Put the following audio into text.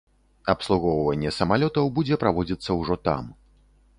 Абслугоўванне самалётаў будзе праводзіцца ўжо там.